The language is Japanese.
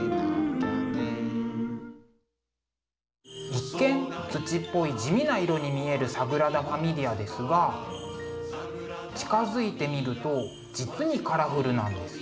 一見土っぽい地味な色に見えるサグラダ・ファミリアですが近づいて見ると実にカラフルなんです。